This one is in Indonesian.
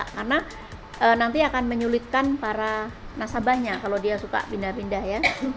karena nanti akan menyulitkan para nasabahnya kalau dia suka pindah pindah ya